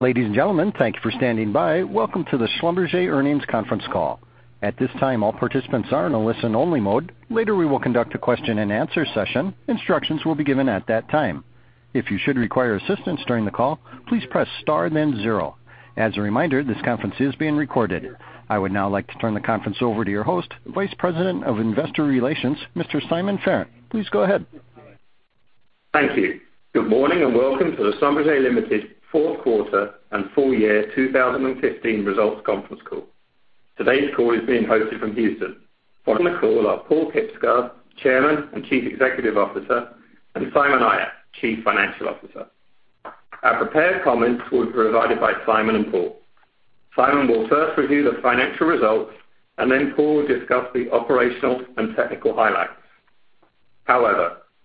Ladies and gentlemen, thank you for standing by. Welcome to the Schlumberger Earnings Conference Call. At this time, all participants are in a listen-only mode. Later, we will conduct a question-and-answer session. Instructions will be given at that time. If you should require assistance during the call, please press star then zero. As a reminder, this conference is being recorded. I would now like to turn the conference over to your host, Vice President of Investor Relations, Mr. Simon Farrant. Please go ahead. Thank you. Good morning, and welcome to the Schlumberger Limited Fourth Quarter and Full Year 2015 Results Conference Call. Today's call is being hosted from Houston. On the call are Paal Kibsgaard, Chairman and Chief Executive Officer, and Simon Ayat, Chief Financial Officer. Our prepared comments will be provided by Simon and Paal. Simon will first review the financial results. Then Paal will discuss the operational and technical highlights.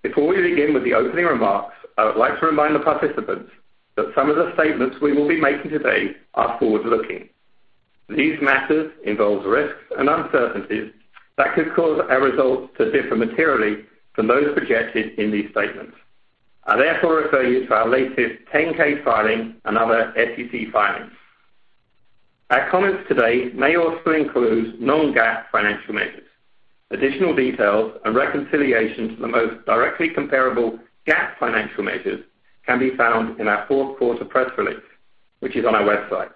Before we begin with the opening remarks, I would like to remind the participants that some of the statements we will be making today are forward-looking. These matters involve risks and uncertainties that could cause our results to differ materially from those projected in these statements. I therefore refer you to our latest 10-K filing and other SEC filings. Our comments today may also include non-GAAP financial measures. Additional details and reconciliation to the most directly comparable GAAP financial measures can be found in our fourth quarter press release, which is on our website.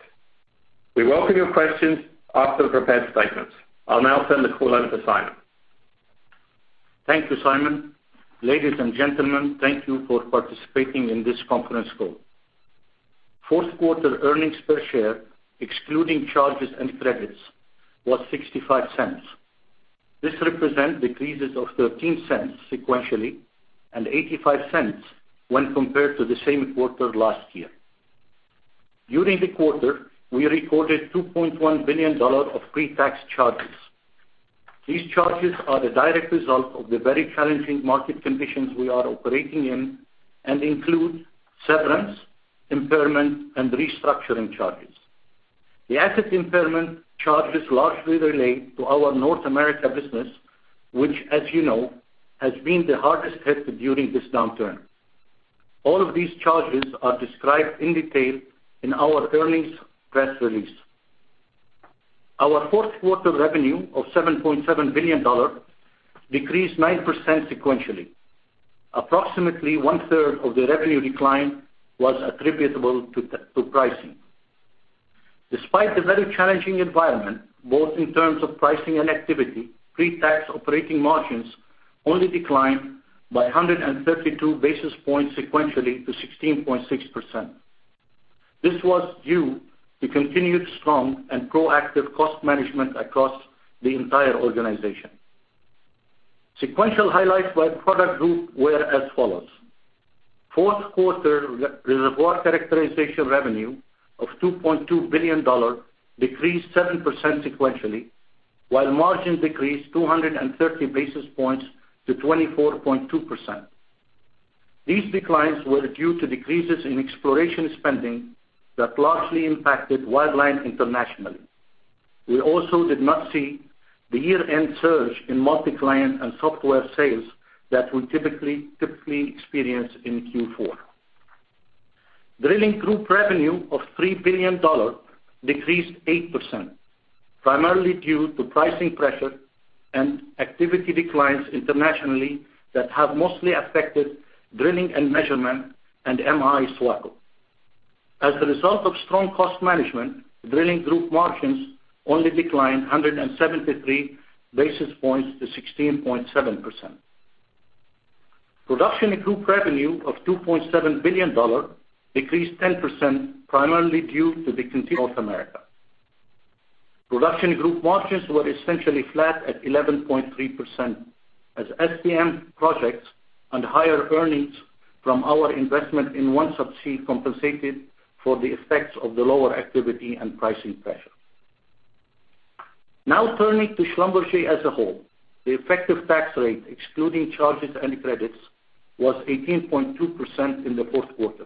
We welcome your questions after the prepared statements. I'll now turn the call over to Simon. Thank you, Simon. Ladies and gentlemen, thank you for participating in this conference call. Fourth quarter earnings per share, excluding charges and credits, was $0.65. This represents decreases of $0.13 sequentially and $0.85 when compared to the same quarter last year. During the quarter, we recorded $2.1 billion of pre-tax charges. These charges are the direct result of the very challenging market conditions we are operating in and include severance, impairment, and restructuring charges. The asset impairment charges largely relate to our North America business, which as you know, has been the hardest hit during this downturn. All of these charges are described in detail in our earnings press release. Our fourth quarter revenue of $7.7 billion decreased 9% sequentially. Approximately one-third of the revenue decline was attributable to pricing. Despite the very challenging environment, both in terms of pricing and activity, pre-tax operating margins only declined by 132 basis points sequentially to 16.6%. This was due to continued strong and proactive cost management across the entire organization. Sequential highlights by product group were as follows: fourth quarter reservoir characterization revenue of $2.2 billion decreased 7% sequentially, while margins decreased 230 basis points to 24.2%. These declines were due to decreases in exploration spending that largely impacted Wireline internationally. We also did not see the year-end surge in multi-client and software sales that we typically experience in Q4. Drilling group revenue of $3 billion decreased 8%, primarily due to pricing pressure and activity declines internationally that have mostly affected drilling and measurement and M-I SWACO. As a result of strong cost management, drilling group margins only declined 173 basis points to 16.7%. Production group revenue of $2.7 billion decreased 10%, primarily due to the North America. Production group margins were essentially flat at 11.3% as SPM projects and higher earnings from our investment in OneSubsea compensated for the effects of the lower activity and pricing pressure. Turning to Schlumberger as a whole. The effective tax rate, excluding charges and credits, was 18.2% in the fourth quarter.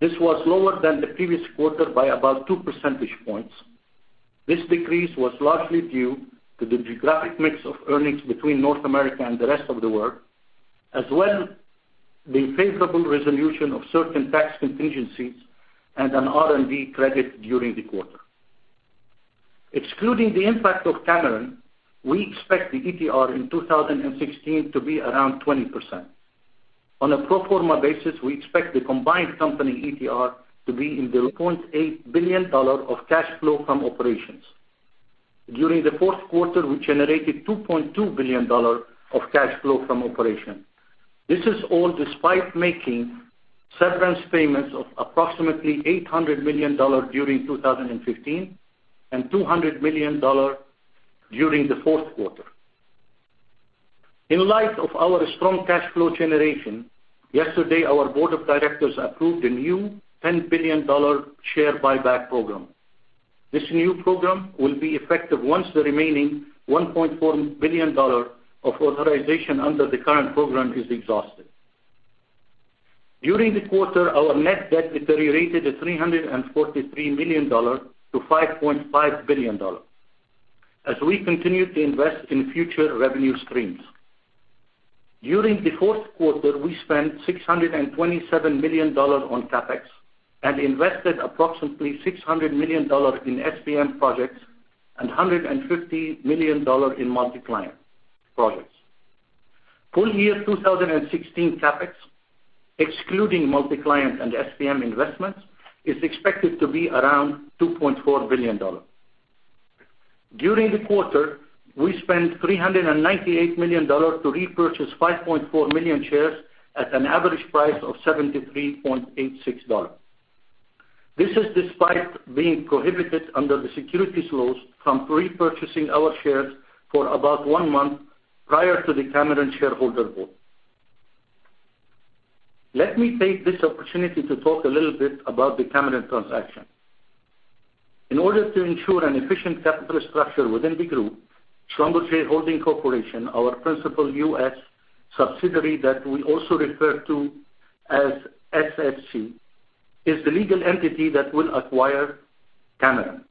This was lower than the previous quarter by about two percentage points. This decrease was largely due to the geographic mix of earnings between North America and the rest of the world, as well the favorable resolution of certain tax contingencies and an R&D credit during the quarter. Excluding the impact of Cameron, we expect the ETR in 2016 to be around 20%. On a pro forma basis, we expect the combined company ETR to be in the low 20s. Meanwhile, the company generated $1.8 billion of free cash flow during the quarter. Of cash flow from operations. During the fourth quarter, we generated $2.2 billion of cash flow from operation. This is all despite making severance payments of approximately $800 million during 2015 and $200 million during the fourth quarter. In light of our strong cash flow generation, yesterday our board of directors approved a new $10 billion share buyback program. This new program will be effective once the remaining $1.4 billion of authorization under the current program is exhausted. During the quarter, our net debt deteriorated by $343 million to $5.5 billion as we continued to invest in future revenue streams. During the fourth quarter, we spent $627 million on CapEx and invested approximately $600 million in SPM projects and $150 million in multi-client projects. Full year 2016 CapEx, excluding multi-client and SPM investments, is expected to be around $2.4 billion. During the quarter, we spent $398 million to repurchase 5.4 million shares at an average price of $73.86. This is despite being prohibited under the securities laws from repurchasing our shares for about one month prior to the Cameron shareholder vote. Let me take this opportunity to talk a little bit about the Cameron transaction. In order to ensure an efficient capital structure within the group, Schlumberger Holdings Corporation, our principal U.S. subsidiary that we also refer to as SHC, is the legal entity that will acquire Cameron.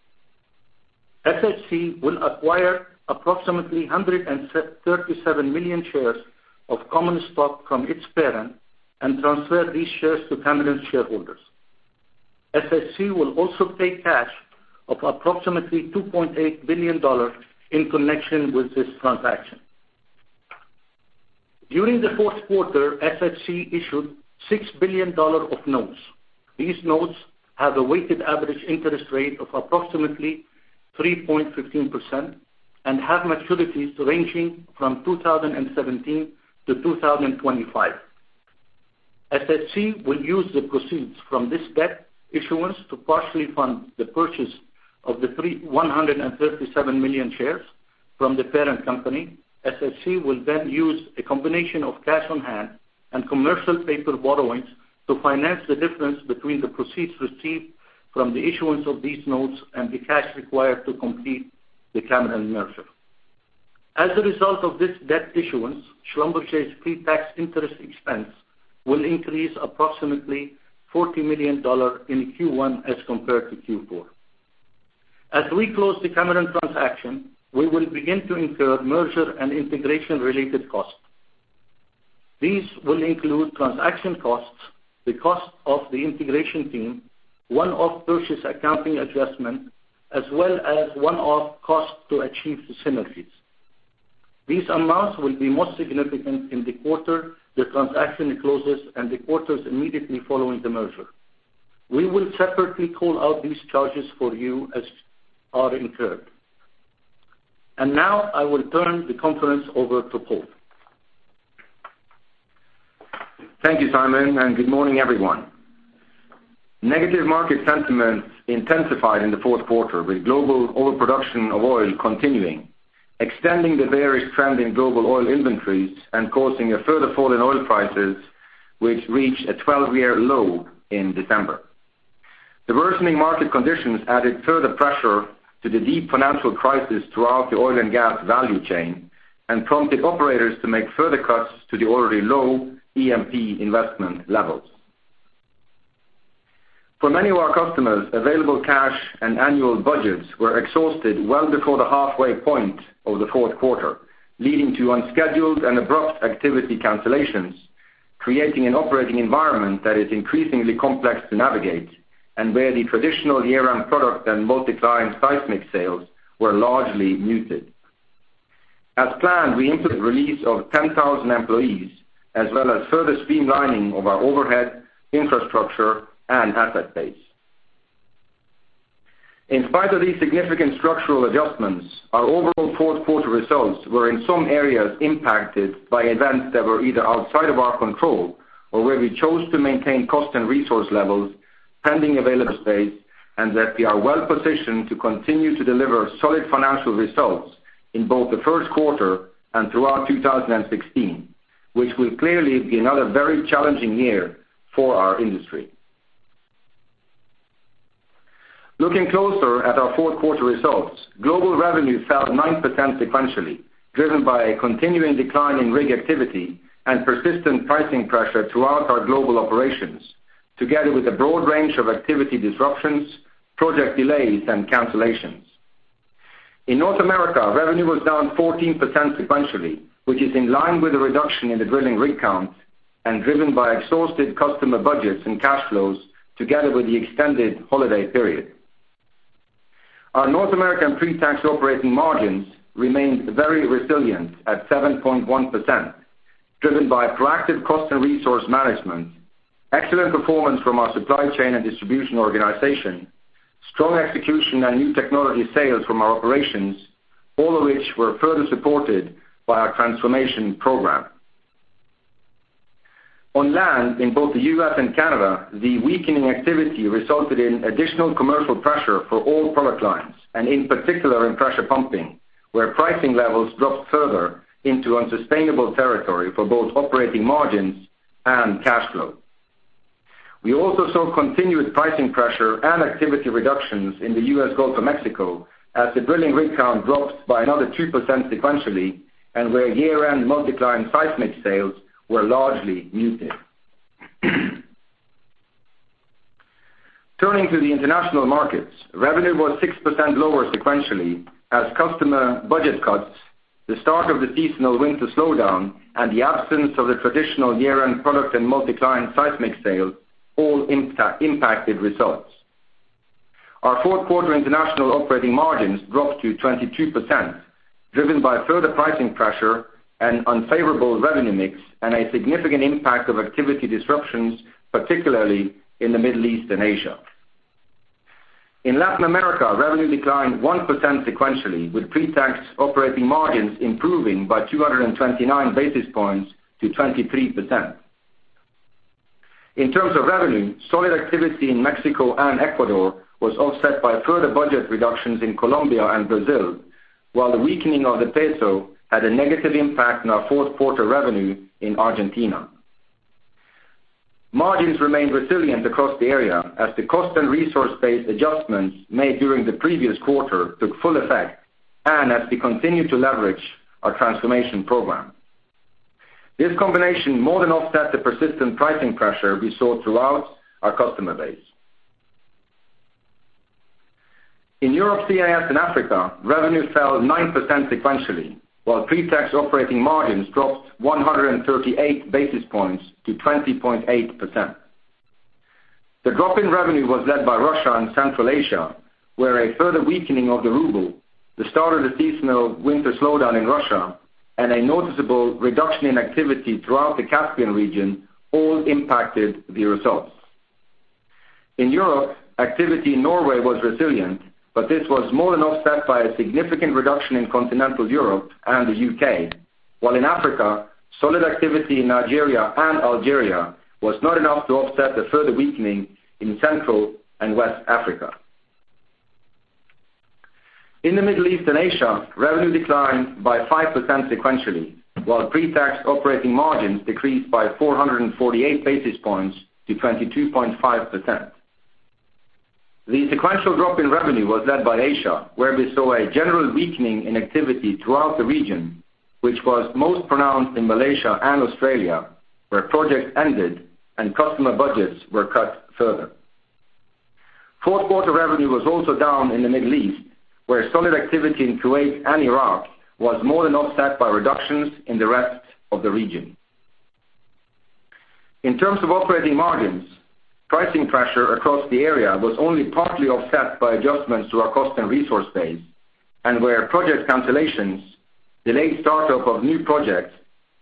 SHC will acquire approximately 137 million shares of common stock from its parent and transfer these shares to Cameron shareholders. SHC will also pay cash of approximately $2.8 billion in connection with this transaction. During the fourth quarter, SHC issued $6 billion of notes. These notes have a weighted average interest rate of approximately 3.15% and have maturities ranging from 2017 to 2025. SHC will use the proceeds from this debt issuance to partially fund the purchase of the 137 million shares from the parent company. SHC will then use a combination of cash on hand and commercial paper borrowings to finance the difference between the proceeds received from the issuance of these notes and the cash required to complete the Cameron merger. As a result of this debt issuance, Schlumberger's pretax interest expense will increase approximately $40 million in Q1 as compared to Q4. As we close the Cameron transaction, we will begin to incur merger and integration-related costs. These will include transaction costs, the cost of the integration team, one-off purchase accounting adjustment, as well as one-off costs to achieve the synergies. These amounts will be most significant in the quarter the transaction closes and the quarters immediately following the merger. We will separately call out these charges for you as are incurred. Now I will turn the conference over to Paal. Thank you, Simon, and good morning, everyone. Negative market sentiments intensified in the fourth quarter with global overproduction of oil continuing, extending the various trending global oil inventories and causing a further fall in oil prices, which reached a 12-year low in December. The worsening market conditions added further pressure to the deep financial crisis throughout the oil and gas value chain and prompted operators to make further cuts to the already low E&P investment levels. For many of our customers, available cash and annual budgets were exhausted well before the halfway point of the fourth quarter, leading to unscheduled and abrupt activity cancellations, creating an operating environment that is increasingly complex to navigate and where the traditional year-end product and multi-client seismic sales were largely muted. As planned, we included release of 10,000 employees as well as further streamlining of our overhead, infrastructure, and asset base. In spite of these significant structural adjustments, our overall fourth quarter results were in some areas impacted by events that were either outside of our control or where we chose to maintain cost and resource levels pending availability, that we are well positioned to continue to deliver solid financial results in both the first quarter and throughout 2016, which will clearly be another very challenging year for our industry. Looking closer at our fourth quarter results, global revenue fell 9% sequentially, driven by a continuing decline in rig activity and persistent pricing pressure throughout our global operations, together with a broad range of activity disruptions, project delays, and cancellations. In North America, revenue was down 14% sequentially, which is in line with the reduction in the drilling rig count and driven by exhausted customer budgets and cash flows together with the extended holiday period. Our North American pre-tax operating margins remained very resilient at 7.1%, driven by proactive cost and resource management, excellent performance from our supply chain and distribution organization, strong execution and new technology sales from our operations, all of which were further supported by our transformation program. On land in both the U.S. and Canada, the weakening activity resulted in additional commercial pressure for all product lines, and in particular in pressure pumping, where pricing levels dropped further into unsustainable territory for both operating margins and cash flow. We also saw continued pricing pressure and activity reductions in the U.S. Gulf of Mexico as the drilling rig count dropped by another 2% sequentially and where year-end multi-client seismic sales were largely muted. Turning to the international markets, revenue was 6% lower sequentially as customer budget cuts, the start of the seasonal winter slowdown, and the absence of the traditional year-end product and multi-client seismic sales all impacted results. Our fourth quarter international operating margins dropped to 22%, driven by further pricing pressure and unfavorable revenue mix, and a significant impact of activity disruptions, particularly in the Middle East and Asia. In Latin America, revenue declined 1% sequentially, with pre-tax operating margins improving by 229 basis points to 23%. In terms of revenue, solid activity in Mexico and Ecuador was offset by further budget reductions in Colombia and Brazil, while the weakening of the peso had a negative impact on our fourth quarter revenue in Argentina. Margins remained resilient across the area as the cost and resource-based adjustments made during the previous quarter took full effect, and as we continue to leverage our transformation program. This combination more than offset the persistent pricing pressure we saw throughout our customer base. In Europe, CIS, and Africa, revenue fell 9% sequentially, while pre-tax operating margins dropped 138 basis points to 20.8%. The drop in revenue was led by Russia and Central Asia, where a further weakening of the ruble, the start of the seasonal winter slowdown in Russia, and a noticeable reduction in activity throughout the Caspian region all impacted the results. In Europe, activity in Norway was resilient, but this was more than offset by a significant reduction in continental Europe and the U.K. While in Africa, solid activity in Nigeria and Algeria was not enough to offset the further weakening in Central and West Africa. In the Middle East and Asia, revenue declined by 5% sequentially, while pre-tax operating margins decreased by 448 basis points to 22.5%. The sequential drop in revenue was led by Asia, where we saw a general weakening in activity throughout the region, which was most pronounced in Malaysia and Australia, where projects ended and customer budgets were cut further. Fourth quarter revenue was also down in the Middle East, where solid activity in Kuwait and Iraq was more than offset by reductions in the rest of the region. In terms of operating margins, pricing pressure across the area was only partly offset by adjustments to our cost and resource base, and where project cancellations, delayed start-up of new projects,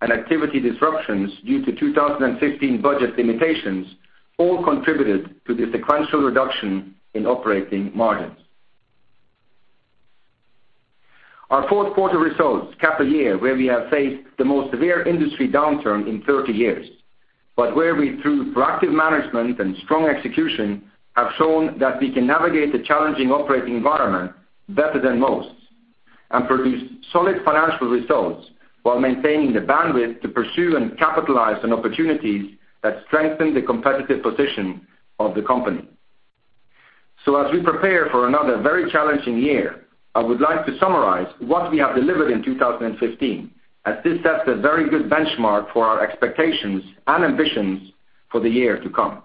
and activity disruptions due to 2015 budget limitations all contributed to the sequential reduction in operating margins. Our fourth quarter results cap a year where we have faced the most severe industry downturn in 30 years, but where we, through proactive management and strong execution, have shown that we can navigate the challenging operating environment better than most. We produce solid financial results while maintaining the bandwidth to pursue and capitalize on opportunities that strengthen the competitive position of the company. As we prepare for another very challenging year, I would like to summarize what we have delivered in 2015, as this sets a very good benchmark for our expectations and ambitions for the year to come.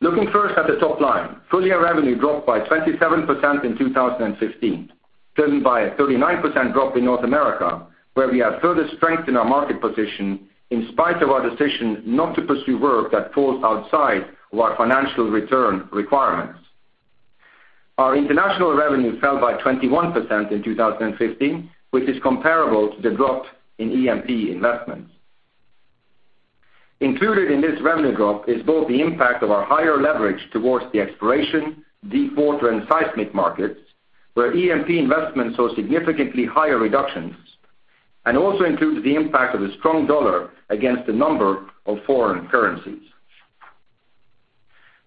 Looking first at the top line, full-year revenue dropped by 27% in 2015, driven by a 39% drop in North America, where we have further strengthened our market position in spite of our decision not to pursue work that falls outside our financial return requirements. Our international revenue fell by 21% in 2015, which is comparable to the drop in E&P investments. Included in this revenue drop is both the impact of our higher leverage towards the exploration, deepwater, and seismic markets, where E&P investments saw significantly higher reductions, and also includes the impact of the strong dollar against a number of foreign currencies.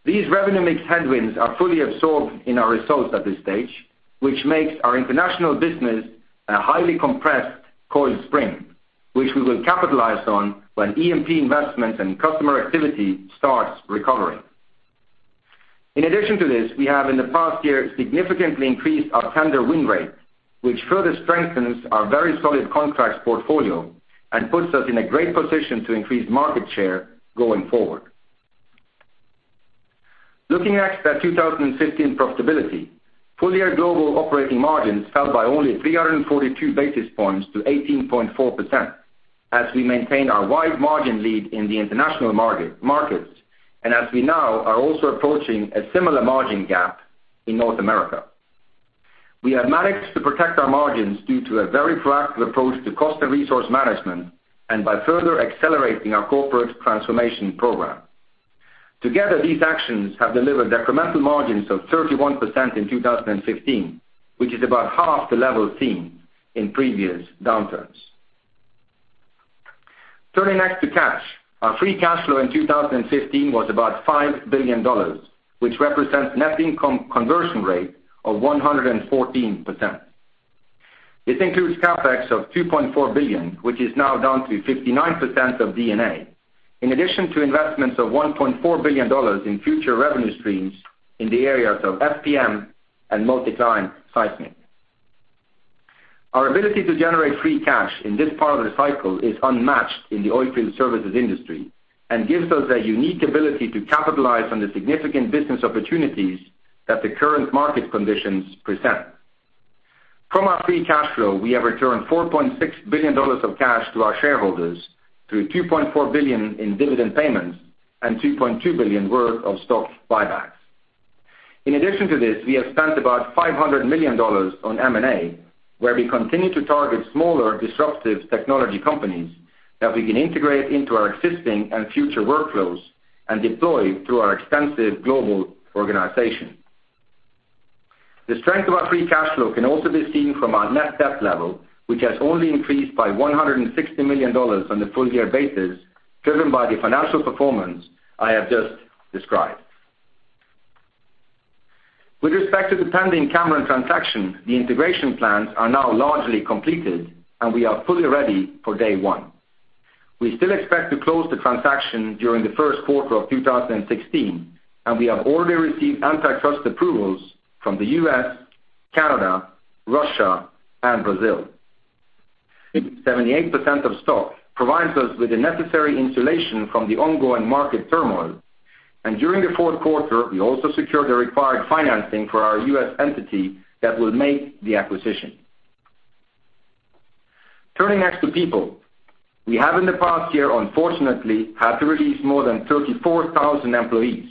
These revenue mix headwinds are fully absorbed in our results at this stage, which makes our international business a highly compressed coiled spring, which we will capitalize on when E&P investments and customer activity starts recovering. In addition to this, we have in the past year significantly increased our tender win rate, which further strengthens our very solid contracts portfolio and puts us in a great position to increase market share going forward. Looking next at 2015 profitability, full-year global operating margins fell by only 342 basis points to 18.4% as we maintain our wide margin lead in the international markets, and as we now are also approaching a similar margin gap in North America. We have managed to protect our margins due to a very proactive approach to cost and resource management and by further accelerating our corporate transformation program. Together, these actions have delivered incremental margins of 31% in 2015, which is about half the level seen in previous downturns. Turning next to cash. Our free cash flow in 2015 was about $5 billion, which represents net income conversion rate of 114%. This includes CapEx of $2.4 billion, which is now down to 59% of D&A, in addition to investments of $1.4 billion in future revenue streams in the areas of SPM and multi-client seismic. Our ability to generate free cash in this part of the cycle is unmatched in the oilfield services industry and gives us a unique ability to capitalize on the significant business opportunities that the current market conditions present. From our free cash flow, we have returned $4.6 billion of cash to our shareholders through $2.4 billion in dividend payments and $2.2 billion worth of stock buybacks. In addition to this, we have spent about $500 million on M&A, where we continue to target smaller, disruptive technology companies that we can integrate into our existing and future workflows and deploy through our extensive global organization. The strength of our free cash flow can also be seen from our net debt level, which has only increased by $160 million on the full-year basis, driven by the financial performance I have just described. With respect to the pending Cameron transaction, the integration plans are now largely completed, and we are fully ready for day one. We still expect to close the transaction during the first quarter of 2016, and we have already received antitrust approvals from the U.S., Canada, Russia, and Brazil. 78% of stock provides us with the necessary insulation from the ongoing market turmoil. During the fourth quarter, we also secured the required financing for our U.S. entity that will make the acquisition. Turning next to people. We have in the past year, unfortunately, had to release more than 34,000 employees,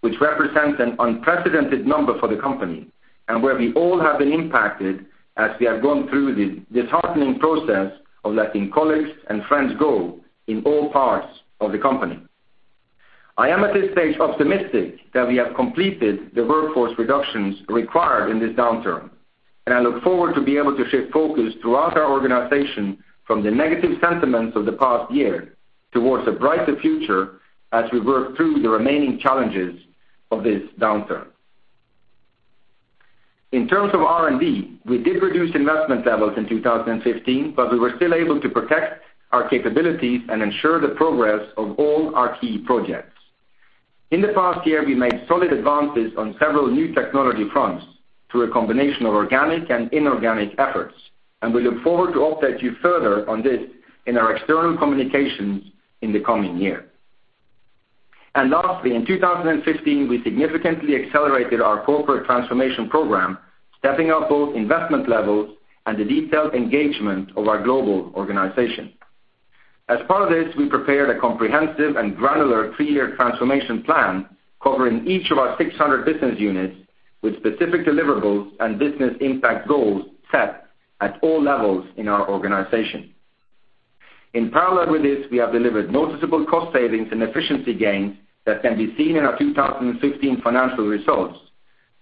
which represents an unprecedented number for the company and where we all have been impacted as we have gone through the disheartening process of letting colleagues and friends go in all parts of the company. I am, at this stage, optimistic that we have completed the workforce reductions required in this downturn, and I look forward to be able to shift focus throughout our organization from the negative sentiments of the past year towards a brighter future as we work through the remaining challenges of this downturn. In terms of R&D, we did reduce investment levels in 2015, but we were still able to protect our capabilities and ensure the progress of all our key projects. In the past year, we made solid advances on several new technology fronts through a combination of organic and inorganic efforts, and we look forward to update you further on this in our external communications in the coming year. Lastly, in 2015, we significantly accelerated our corporate transformation program, stepping up both investment levels and the detailed engagement of our global organization. As part of this, we prepared a comprehensive and granular three-year transformation plan covering each of our 600 business units with specific deliverables and business impact goals set at all levels in our organization. In parallel with this, we have delivered noticeable cost savings and efficiency gains that can be seen in our 2015 financial results,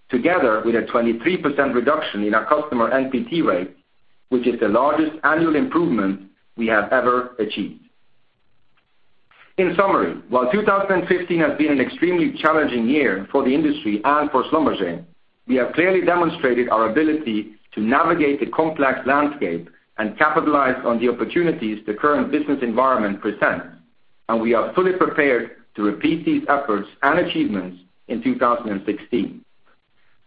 together with a 23% reduction in our customer NPT rate, which is the largest annual improvement we have ever achieved. In summary, while 2015 has been an extremely challenging year for the industry and for Schlumberger, we have clearly demonstrated our ability to navigate the complex landscape and capitalize on the opportunities the current business environment presents, and we are fully prepared to repeat these efforts and achievements in 2016.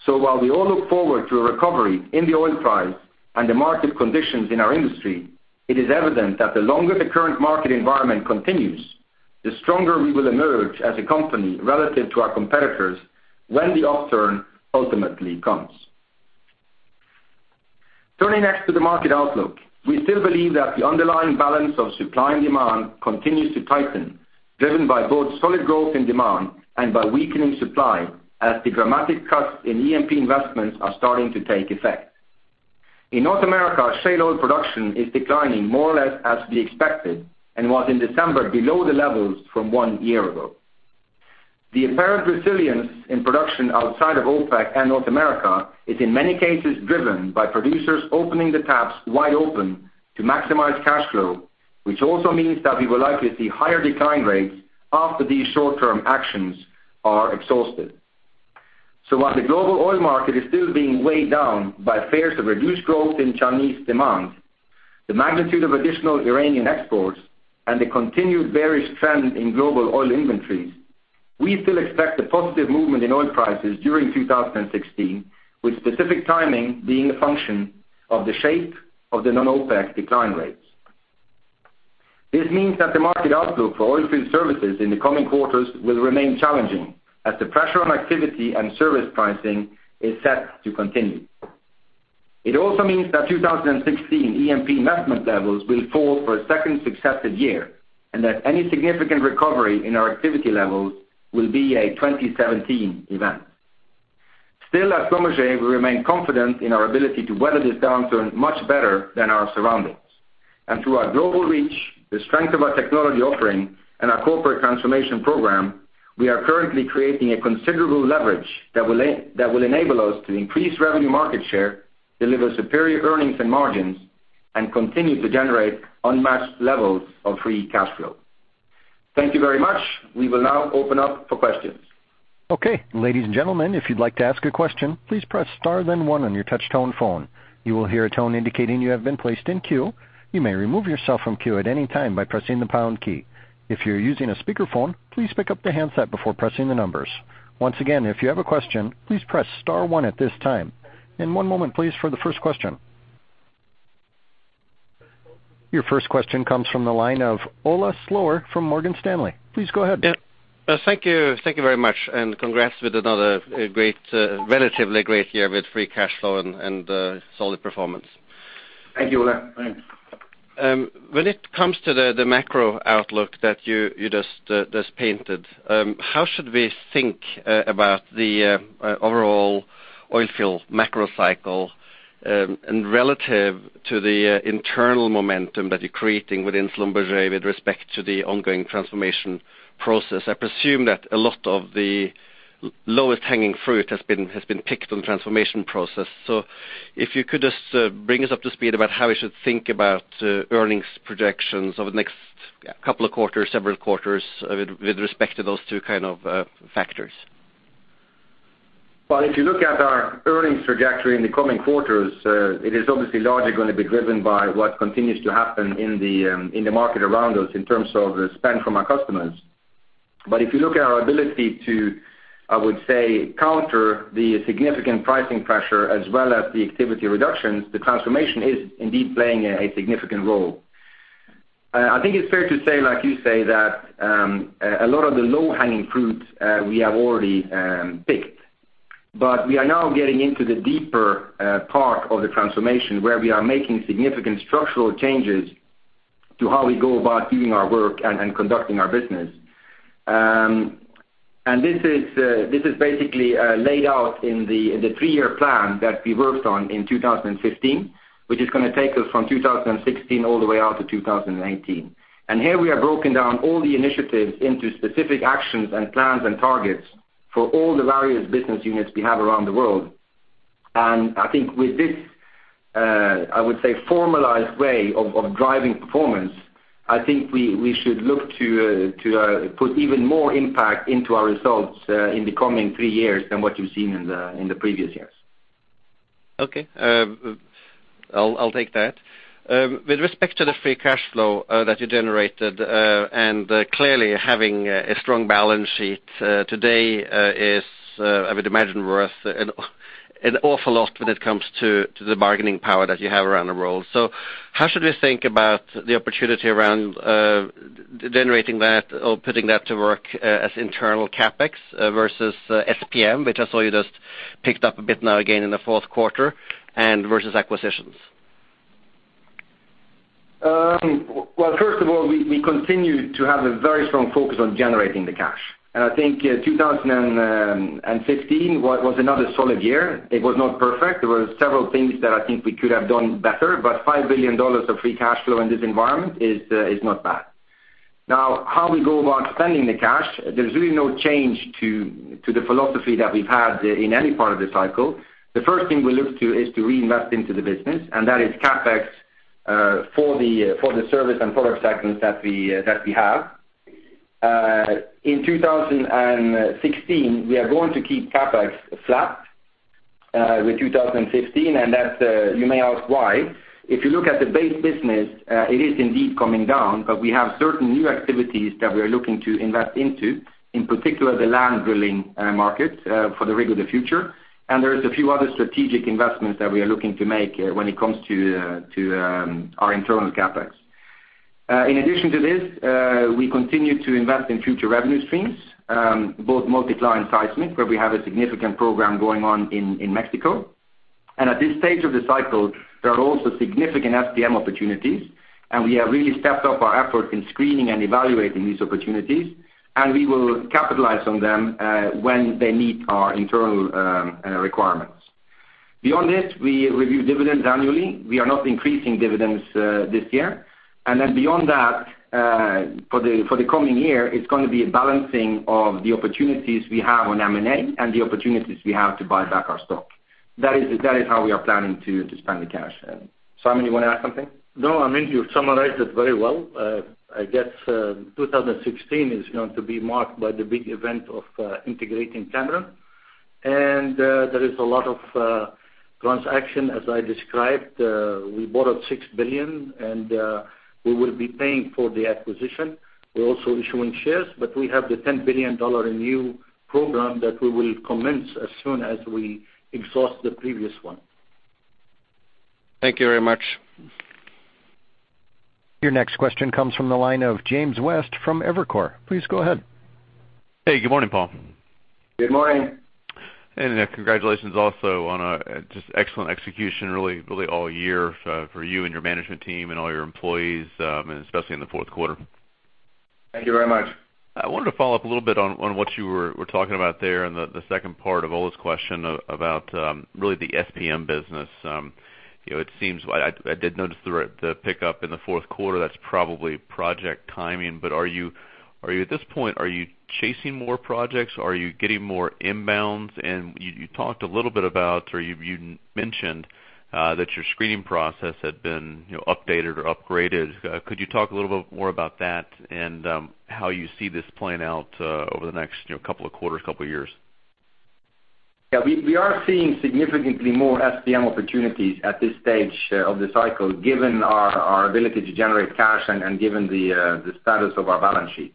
While we all look forward to a recovery in the oil price and the market conditions in our industry, it is evident that the longer the current market environment continues, the stronger we will emerge as a company relative to our competitors when the upturn ultimately comes. Turning next to the market outlook. We still believe that the underlying balance of supply and demand continues to tighten, driven by both solid growth in demand and by weakening supply as the dramatic cuts in E&P investments are starting to take effect. In North America, shale oil production is declining more or less as we expected and was in December below the levels from one year ago. The apparent resilience in production outside of OPEC and North America is in many cases driven by producers opening the taps wide open to maximize cash flow, which also means that we will likely see higher decline rates after these short-term actions are exhausted. While the global oil market is still being weighed down by fears of reduced growth in Chinese demand, the magnitude of additional Iranian exports, and the continued bearish trend in global oil inventories, we still expect a positive movement in oil prices during 2016, with specific timing being a function of the shape of the non-OPEC decline rates. This means that the market outlook for oilfield services in the coming quarters will remain challenging as the pressure on activity and service pricing is set to continue. It also means that 2016 E&P investment levels will fall for a second successive year and that any significant recovery in our activity levels will be a 2017 event. Still, at Schlumberger, we remain confident in our ability to weather this downturn much better than our surroundings. Through our global reach, the strength of our technology offering, and our corporate transformation program, we are currently creating a considerable leverage that will enable us to increase revenue market share, deliver superior earnings and margins, and continue to generate unmatched levels of free cash flow. Thank you very much. We will now open up for questions. Okay, ladies and gentlemen, if you'd like to ask a question, please press star then one on your touch-tone phone. You will hear a tone indicating you have been placed in queue. You may remove yourself from queue at any time by pressing the pound key. If you're using a speakerphone, please pick up the handset before pressing the numbers. Once again, if you have a question, please press star one at this time. One moment please for the first question. Your first question comes from the line of Ole Slorer from Morgan Stanley. Please go ahead. Yeah. Thank you very much, congrats with another relatively great year with free cash flow and solid performance. Thank you, Ole. Thanks. When it comes to the macro outlook that you just painted, how should we think about the overall oil field macro cycle and relative to the internal momentum that you're creating within Schlumberger with respect to the ongoing transformation process? I presume that a lot of the lowest hanging fruit has been picked on the transformation process. If you could just bring us up to speed about how we should think about earnings projections over the next couple of quarters, several quarters with respect to those two kind of factors. Well, if you look at our earnings trajectory in the coming quarters, it is obviously largely going to be driven by what continues to happen in the market around us in terms of spend from our customers. If you look at our ability to, I would say, counter the significant pricing pressure as well as the activity reductions, the transformation is indeed playing a significant role. I think it's fair to say, like you say, that a lot of the low-hanging fruits we have already picked. We are now getting into the deeper part of the transformation where we are making significant structural changes to how we go about doing our work and conducting our business. This is basically laid out in the three-year plan that we worked on in 2015, which is going to take us from 2016 all the way out to 2018. Here we have broken down all the initiatives into specific actions and plans and targets for all the various business units we have around the world. I think with this, I would say, formalized way of driving performance, I think we should look to put even more impact into our results in the coming three years than what you've seen in the previous years. I'll take that. With respect to the free cash flow that you generated, and clearly having a strong balance sheet today is, I would imagine, worth an awful lot when it comes to the bargaining power that you have around the world. How should we think about the opportunity around generating that or putting that to work as internal CapEx versus SPM, which I saw you just picked up a bit now again in the fourth quarter and versus acquisitions? First of all, we continue to have a very strong focus on generating the cash. I think 2015 was another solid year. It was not perfect. There were several things that I think we could have done better, but $5 billion of free cash flow in this environment is not bad. How we go about spending the cash, there's really no change to the philosophy that we've had in any part of the cycle. The first thing we look to is to reinvest into the business, and that is CapEx for the service and product segments that we have. In 2016, we are going to keep CapEx flat with 2015, and you may ask why. If you look at the base business, it is indeed coming down, but we have certain new activities that we are looking to invest into, in particular the land drilling market for the rig of the future. There is a few other strategic investments that we are looking to make when it comes to our internal CapEx. In addition to this, we continue to invest in future revenue streams, both multi-client seismic, where we have a significant program going on in Mexico. At this stage of the cycle, there are also significant SPM opportunities, and we have really stepped up our effort in screening and evaluating these opportunities, and we will capitalize on them when they meet our internal requirements. Beyond this, we review dividends annually. We are not increasing dividends this year. Beyond that, for the coming year, it's going to be a balancing of the opportunities we have on M&A and the opportunities we have to buy back our stock. That is how we are planning to spend the cash. Simon, you want to add something? No, I mean, you've summarized it very well. 2016 is going to be marked by the big event of integrating Cameron. There is a lot of transaction, as I described. We borrowed $6 billion, and we will be paying for the acquisition. We're also issuing shares, but we have the $10 billion new program that we will commence as soon as we exhaust the previous one. Thank you very much. Your next question comes from the line of James West from Evercore. Please go ahead. Hey, good morning, Paal. Good morning. Congratulations also on just excellent execution really all year for you and your management team and all your employees, especially in the fourth quarter. Thank you very much. I wanted to follow up a little bit on what you were talking about there in the second part of Ole's question about really the SPM business. I did notice the pickup in the fourth quarter. That's probably project timing. At this point, are you chasing more projects? Are you getting more inbounds? You talked a little bit about, or you mentioned that your screening process had been updated or upgraded. Could you talk a little bit more about that and how you see this playing out over the next couple of quarters, couple of years? We are seeing significantly more SPM opportunities at this stage of the cycle, given our ability to generate cash and given the status of our balance sheet.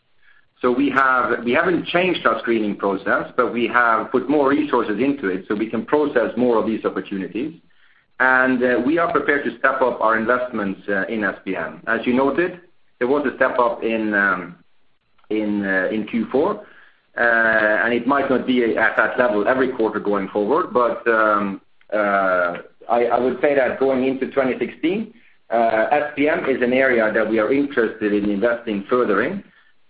We haven't changed our screening process, but we have put more resources into it so we can process more of these opportunities. We are prepared to step up our investments in SPM. As you noted, there was a step up in Q4, and it might not be at that level every quarter going forward. I would say that going into 2016, SPM is an area that we are interested in investing further in.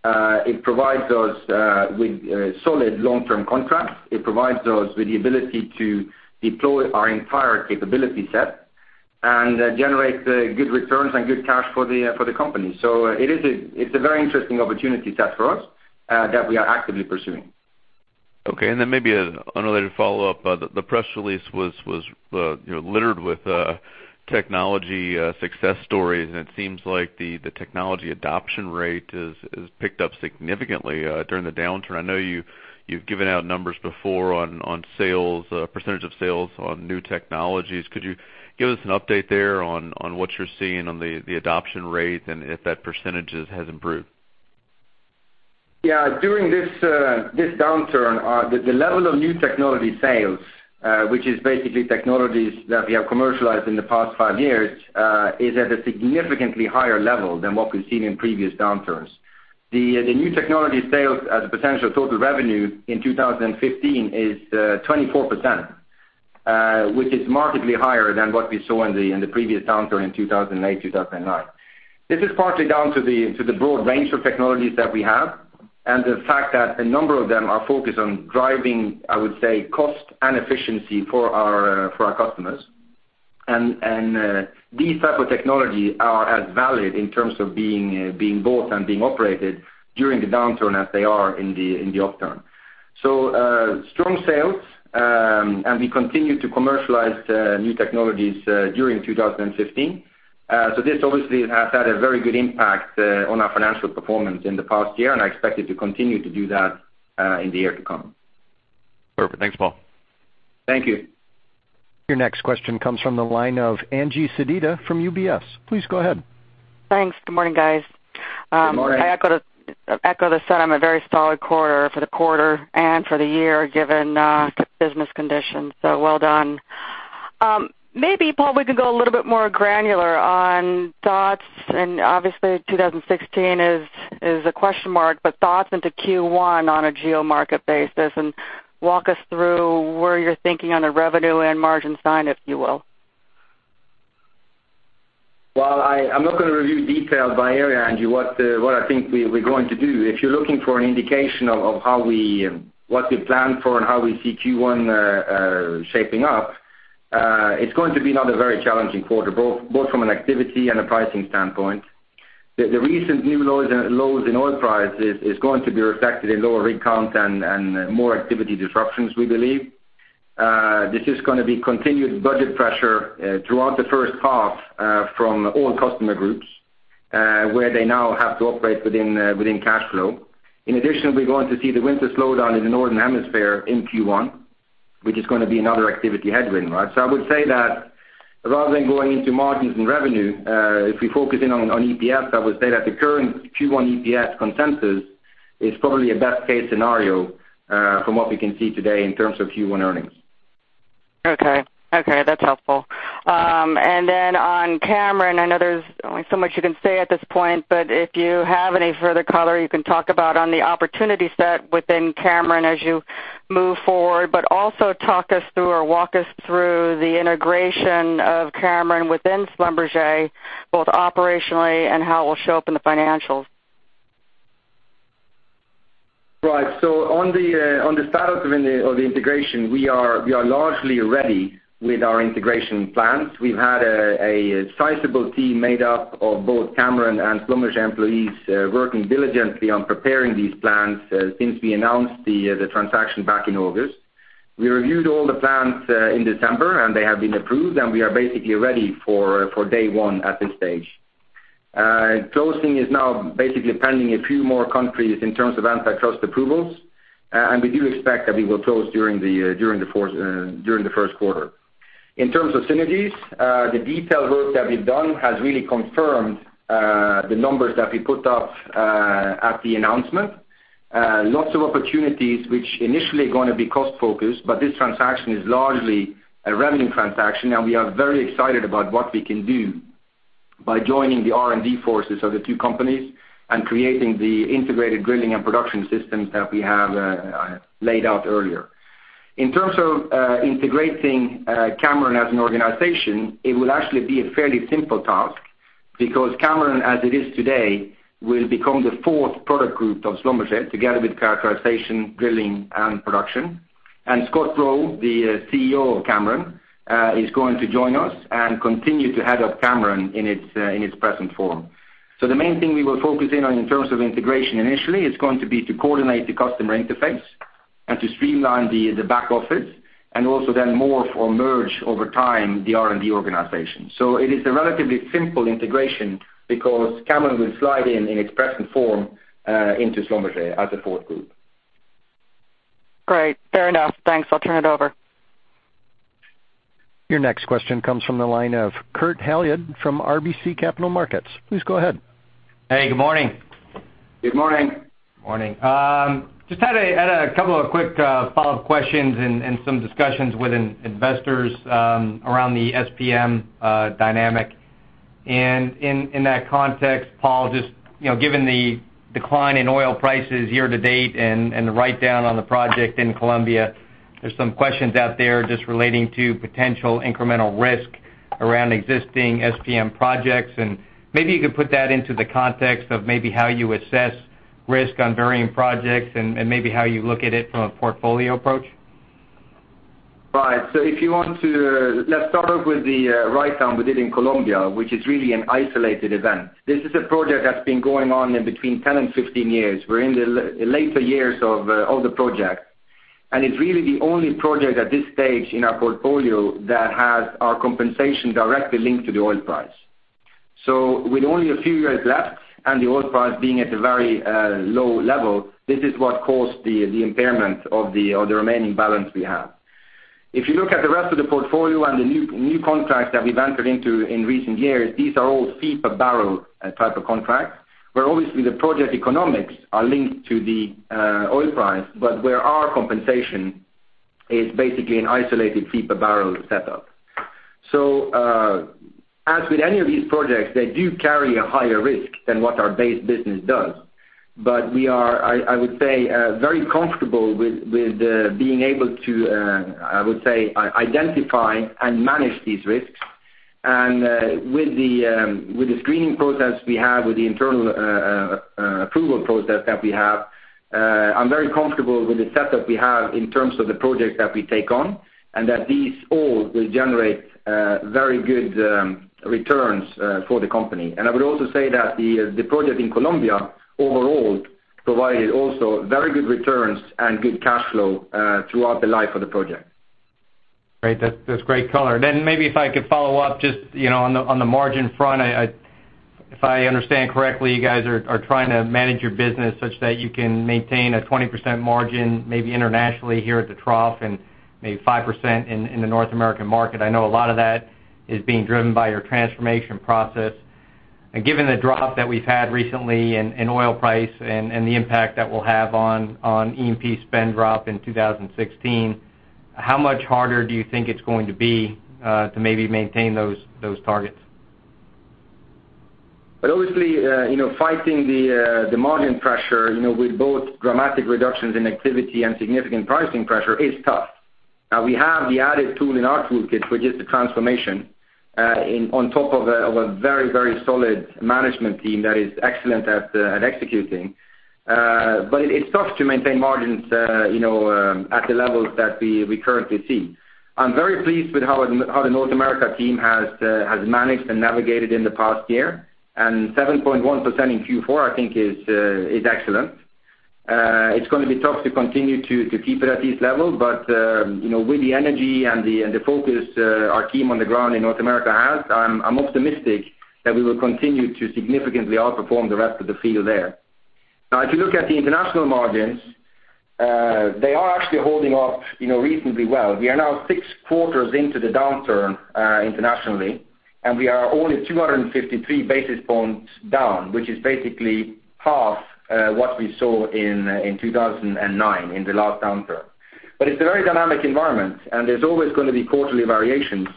It provides us with solid long-term contracts. It provides us with the ability to deploy our entire capability set and generate good returns and good cash for the company. It's a very interesting opportunity set for us that we are actively pursuing. Okay, maybe another follow-up. The press release was littered with technology success stories, and it seems like the technology adoption rate has picked up significantly during the downturn. I know you've given out numbers before on percentage of sales on new technologies. Could you give us an update there on what you're seeing on the adoption rate and if that percentage has improved? Yeah. During this downturn, the level of new technology sales, which is basically technologies that we have commercialized in the past five years, is at a significantly higher level than what we've seen in previous downturns. The new technology sales as a potential total revenue in 2015 is 24%, which is markedly higher than what we saw in the previous downturn in 2008, 2009. This is partly down to the broad range of technologies that we have and the fact that a number of them are focused on driving, I would say, cost and efficiency for our customers. These type of technology are as valid in terms of being bought and being operated during the downturn as they are in the upturn. Strong sales, and we continued to commercialize new technologies during 2015. This obviously has had a very good impact on our financial performance in the past year, and I expect it to continue to do that in the year to come. Perfect. Thanks, Paal. Thank you. Your next question comes from the line of Angie Sedita from UBS. Please go ahead. Thanks. Good morning, guys. Good morning. I echo the sentiment, a very solid quarter for the quarter and for the year, given the business conditions. Well done. Maybe, Paal, we could go a little bit more granular on thoughts, and obviously 2016 is a question mark, but thoughts into Q1 on a geo-market basis, and walk us through where you're thinking on the revenue and margin side, if you will. Well, I'm not going to review detail by area, Angie, what I think we're going to do. If you're looking for an indication of what we plan for and how we see Q1 shaping up, it's going to be another very challenging quarter, both from an activity and a pricing standpoint. The recent new lows in oil prices is going to be reflected in lower rig count and more activity disruptions, we believe. This is going to be continued budget pressure throughout the first half from all customer groups, where they now have to operate within cash flow. In addition, we're going to see the winter slowdown in the Northern Hemisphere in Q1, which is going to be another activity headwind. I would say that rather than going into margins and revenue, if we focus in on EPS, I would say that the current Q1 EPS consensus is probably a best-case scenario from what we can see today in terms of Q1 earnings. Okay. That's helpful. Then on Cameron, I know there's only so much you can say at this point, but if you have any further color you can talk about on the opportunity set within Cameron as you move forward, but also talk us through or walk us through the integration of Cameron within Schlumberger, both operationally and how it will show up in the financials. Right. On the status of the integration, we are largely ready with our integration plans. We've had a sizable team made up of both Cameron and Schlumberger employees working diligently on preparing these plans since we announced the transaction back in August. We reviewed all the plans in December, and they have been approved, and we are basically ready for day one at this stage. Closing is now basically pending a few more countries in terms of antitrust approvals, and we do expect that we will close during the first quarter. In terms of synergies, the detailed work that we've done has really confirmed the numbers that we put up at the announcement. Lots of opportunities, which initially are going to be cost-focused. This transaction is largely a revenue transaction, and we are very excited about what we can do by joining the R&D forces of the two companies and creating the integrated drilling and production systems that we have laid out earlier. In terms of integrating Cameron as an organization, it will actually be a fairly simple task because Cameron, as it is today, will become the fourth product group of Schlumberger, together with characterization, drilling, and production. Scott Rowe, the CEO of Cameron, is going to join us and continue to head up Cameron in its present form. The main thing we will focus in on in terms of integration initially is going to be to coordinate the customer interface and to streamline the back office, and also then morph or merge over time the R&D organization. It is a relatively simple integration because Cameron will slide in in its present form into Schlumberger as a fourth group. Great. Fair enough. Thanks. I'll turn it over. Your next question comes from the line of Kurt Hallead from RBC Capital Markets. Please go ahead. Hey, good morning. Good morning. Morning. Just had a couple of quick follow-up questions and some discussions with investors around the SPM dynamic. In that context, Paal, just given the decline in oil prices year to date and the write-down on the project in Colombia, there's some questions out there just relating to potential incremental risk around existing SPM projects. Maybe you could put that into the context of maybe how you assess risk on varying projects and maybe how you look at it from a portfolio approach. Right. If you want to, let's start off with the write-down we did in Colombia, which is really an isolated event. This is a project that's been going on in between 10 and 15 years. We're in the later years of the project, and it's really the only project at this stage in our portfolio that has our compensation directly linked to the oil price. With only a few years left and the oil price being at a very low level, this is what caused the impairment of the remaining balance we have. If you look at the rest of the portfolio and the new contracts that we've entered into in recent years, these are all fee per barrel type of contracts, where obviously the project economics are linked to the oil price, but where our compensation is basically an isolated fee per barrel setup. As with any of these projects, they do carry a higher risk than what our base business does. We are, I would say, very comfortable with being able to identify and manage these risks. With the screening process we have, with the internal approval process that we have, I'm very comfortable with the setup we have in terms of the projects that we take on, and that these all will generate very good returns for the company. I would also say that the project in Colombia overall provided also very good returns and good cash flow throughout the life of the project. Great. That's great color. Maybe if I could follow up just on the margin front. If I understand correctly, you guys are trying to manage your business such that you can maintain a 20% margin, maybe internationally here at the trough and maybe 5% in the North American market. I know a lot of that is being driven by your transformation process. Given the drop that we've had recently in oil price and the impact that will have on E&P spend drop in 2016, how much harder do you think it's going to be to maybe maintain those targets? Obviously, fighting the margin pressure with both dramatic reductions in activity and significant pricing pressure is tough. Now we have the added tool in our toolkit, which is the transformation on top of a very solid management team that is excellent at executing. It's tough to maintain margins at the levels that we currently see. I'm very pleased with how the North America team has managed and navigated in the past year. 7.1% in Q4 I think is excellent. It's going to be tough to continue to keep it at this level. With the energy and the focus our team on the ground in North America has, I'm optimistic that we will continue to significantly outperform the rest of the field there. Now, if you look at the international margins, they are actually holding up reasonably well. We are now six quarters into the downturn internationally. We are only 253 basis points down, which is basically half what we saw in 2009, in the last downturn. It's a very dynamic environment. There's always going to be quarterly variations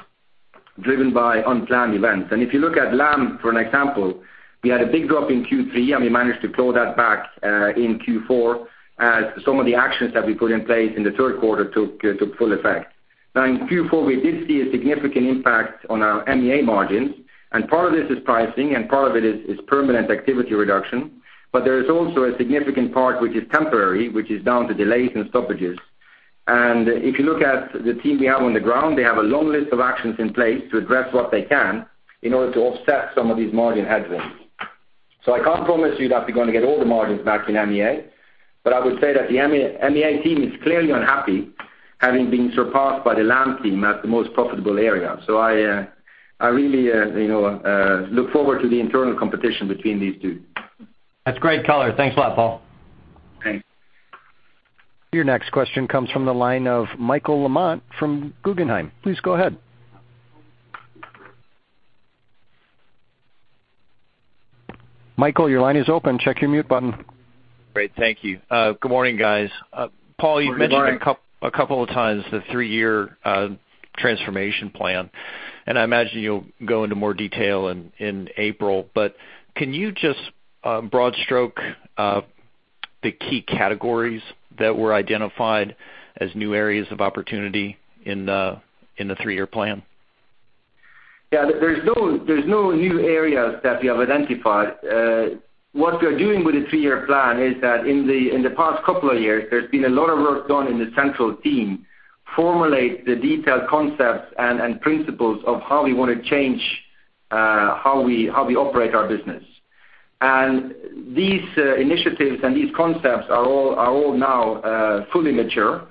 driven by unplanned events. If you look at LAM, for an example, we had a big drop in Q3. We managed to claw that back in Q4 as some of the actions that we put in place in the third quarter took full effect. In Q4, we did see a significant impact on our MEA margins. Part of this is pricing and part of it is permanent activity reduction. There is also a significant part which is temporary, which is down to delays and stoppages. If you look at the team we have on the ground, they have a long list of actions in place to address what they can in order to offset some of these margin headwinds. I can't promise you that we're going to get all the margins back in MEA, but I would say that the MEA team is clearly unhappy having been surpassed by the LAM team as the most profitable area. I really look forward to the internal competition between these two. That's great color. Thanks a lot, Paal. Thanks. Your next question comes from the line of Michael LaMotte from Guggenheim. Please go ahead. Michael, your line is open. Check your mute button. Great. Thank you. Good morning, guys. Good morning. Paal, you've mentioned a couple of times the three-year transformation plan. I imagine you'll go into more detail in April, but can you just broad stroke the key categories that were identified as new areas of opportunity in the three-year plan? Yeah, there's no new areas that we have identified. What we are doing with the three-year plan is that in the past couple of years, there's been a lot of work done in the central team formulate the detailed concepts and principles of how we want to change how we operate our business. These initiatives and these concepts are all now fully mature.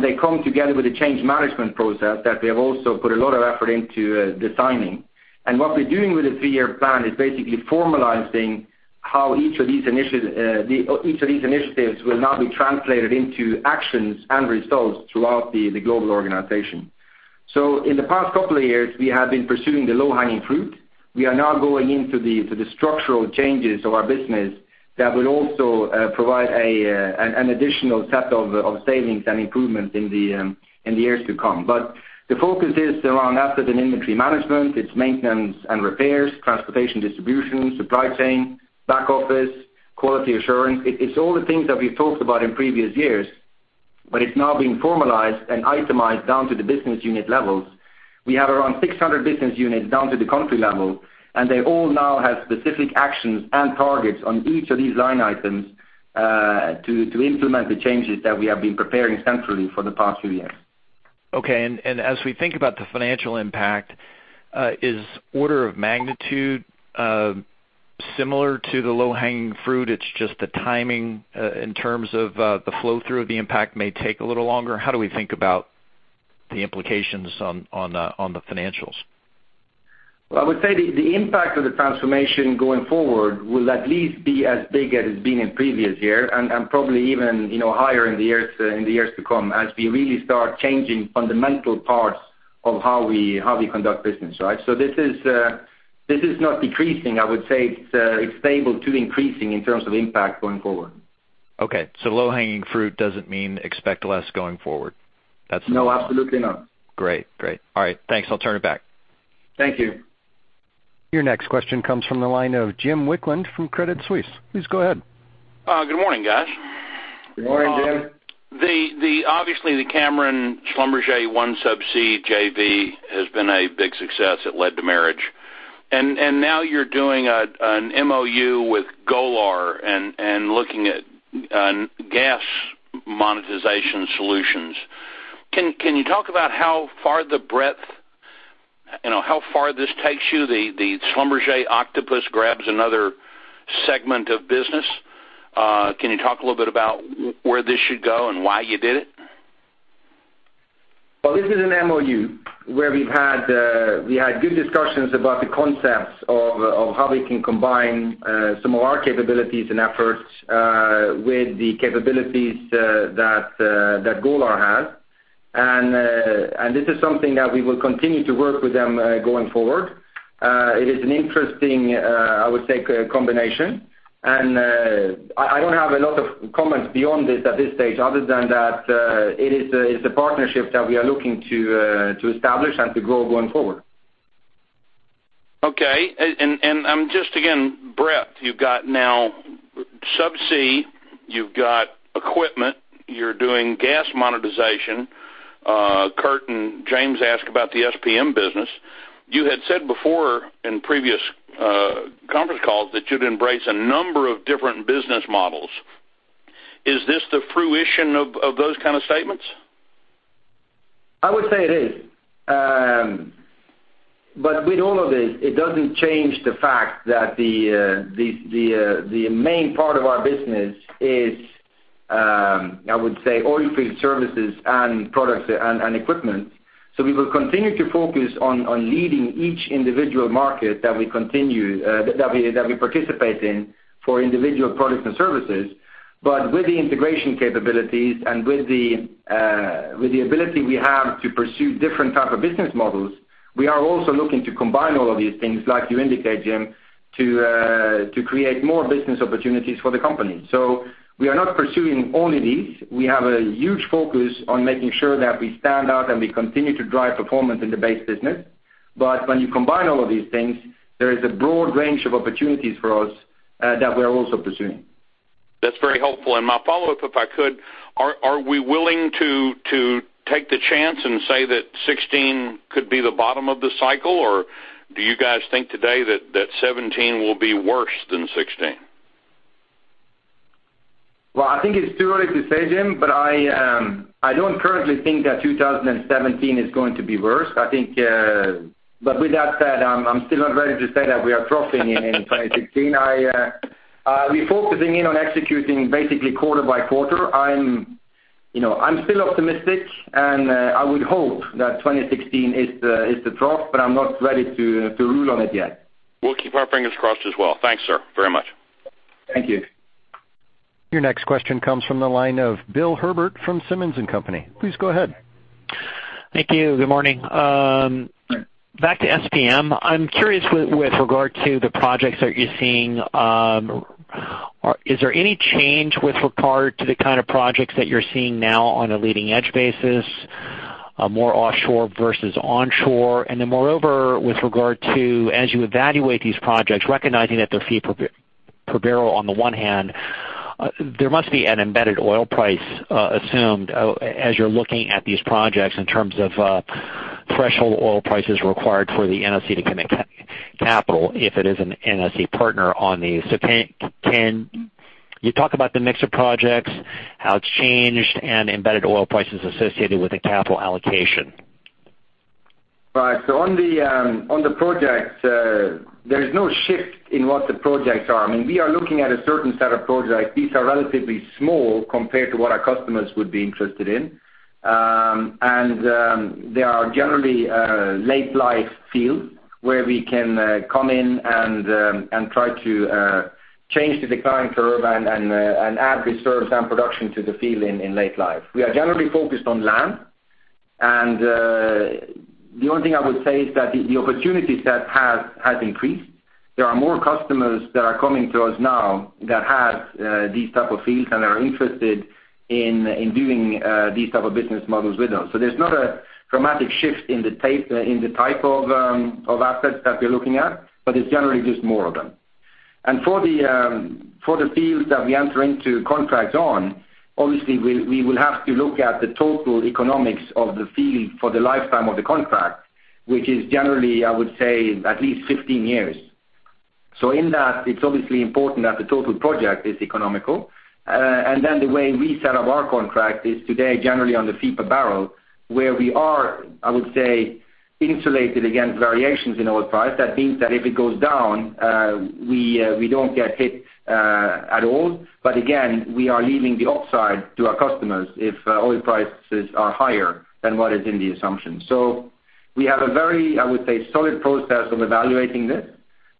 They come together with a change management process that we have also put a lot of effort into designing. What we're doing with the three-year plan is basically formalizing how each of these initiatives will now be translated into actions and results throughout the global organization. In the past couple of years, we have been pursuing the low-hanging fruit. We are now going into the structural changes of our business that will also provide an additional set of savings and improvements in the years to come. The focus is around asset and inventory management, its maintenance and repairs, transportation, distribution, supply chain, back office, quality assurance. It's all the things that we've talked about in previous years, but it's now being formalized and itemized down to the business unit levels. We have around 600 business units down to the country level, and they all now have specific actions and targets on each of these line items, to implement the changes that we have been preparing centrally for the past few years. Okay. As we think about the financial impact, is order of magnitude similar to the low-hanging fruit? It's just the timing, in terms of the flow-through of the impact may take a little longer? How do we think about the implications on the financials? Well, I would say the impact of the transformation going forward will at least be as big as it's been in previous year and probably even higher in the years to come as we really start changing fundamental parts of how we conduct business, right? This is not decreasing. I would say it's stable to increasing in terms of impact going forward. Okay, low-hanging fruit doesn't mean expect less going forward. No, absolutely not. Great. All right, thanks. I'll turn it back. Thank you. Your next question comes from the line of Jim Wicklund from Credit Suisse. Please go ahead. Good morning, guys. Good morning, Jim. Obviously, the Cameron-Schlumberger OneSubsea JV has been a big success that led to marriage. Now you're doing an MOU with Golar and looking at gas monetization solutions. Can you talk about how far the breadth, how far this takes you? The Schlumberger octopus grabs another segment of business. Can you talk a little bit about where this should go and why you did it? Well, this is an MOU where we had good discussions about the concepts of how we can combine some of our capabilities and efforts with the capabilities that Golar has. This is something that we will continue to work with them going forward. It is an interesting, I would say, combination. I don't have a lot of comments beyond this at this stage other than that it's a partnership that we are looking to establish and to grow going forward. Just again, breadth, you've got now subsea, you've got equipment, you're doing gas monetization. Kurt and James asked about the SPM business. You had said before in previous conference calls that you'd embrace a number of different business models. Is this the fruition of those kind of statements? I would say it is. With all of this, it doesn't change the fact that the main part of our business is, I would say, oilfield services and products and equipment. We will continue to focus on leading each individual market that we participate in for individual products and services. With the integration capabilities and with the ability we have to pursue different type of business models, we are also looking to combine all of these things, like you indicate, Jim, to create more business opportunities for the company. We are not pursuing only these. We have a huge focus on making sure that we stand out, and we continue to drive performance in the base business. When you combine all of these things, there is a broad range of opportunities for us that we're also pursuing. That's very helpful. My follow-up, if I could, are we willing to take the chance and say that 2016 could be the bottom of the cycle, or do you guys think today that 2017 will be worse than 2016? Well, I think it's too early to say, Jim, I don't currently think that 2017 is going to be worse. With that said, I'm still not ready to say that we are troughing in 2016. We're focusing in on executing basically quarter by quarter. I'm still optimistic, and I would hope that 2016 is the trough, but I'm not ready to rule on it yet. We'll keep our fingers crossed as well. Thanks, sir, very much. Thank you. Your next question comes from the line of Bill Herbert from Simmons & Company. Please go ahead. Thank you. Good morning. Back to SPM. I'm curious with regard to the projects that you're seeing. Is there any change with regard to the kind of projects that you're seeing now on a leading edge basis, more offshore versus onshore? Moreover, with regard to as you evaluate these projects, recognizing that they're fee per barrel on the one hand, there must be an embedded oil price assumed as you're looking at these projects in terms of threshold oil prices required for the NOC to commit capital if it is an NOC partner on these. Can you talk about the mix of projects, how it's changed, and embedded oil prices associated with the capital allocation? Right. On the projects, there is no shift in what the projects are. I mean, we are looking at a certain set of projects. These are relatively small compared to what our customers would be interested in. They are generally late life fields where we can come in and try to change the decline curve and add reserves and production to the field in late life. We are generally focused on land. The only thing I would say is that the opportunity set has increased. There are more customers that are coming to us now that have these type of fields and are interested in doing these type of business models with us. There's not a dramatic shift in the type of assets that we're looking at, but it's generally just more of them. For the fields that we enter into contracts on, obviously, we will have to look at the total economics of the field for the lifetime of the contract, which is generally, I would say, at least 15 years. In that, it's obviously important that the total project is economical. The way we set up our contract is today, generally on the fee per barrel, where we are, I would say, insulated against variations in oil price. That means that if it goes down, we don't get hit at all. Again, we are leaving the upside to our customers if oil prices are higher than what is in the assumption. We have a very, I would say, solid process of evaluating this.